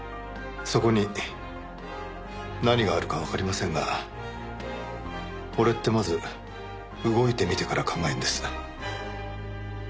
そこに何があるかわかりませんが俺ってまず動いてみてから考えるんです